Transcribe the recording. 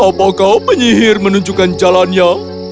apakah penyihir menunjukkan jalannya